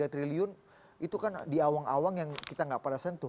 tiga triliun itu kan di awang awang yang kita nggak pernah sentuh